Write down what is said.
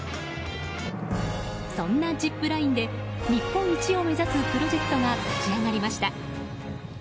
そんなジップラインで日本一を目指すプロジェクトが立ち上がりました。